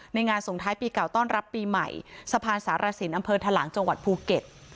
งานส่งท้ายปีเก่าต้อนรับปีใหม่สะพานสารสินอำเภอทะลังจังหวัดภูเก็ต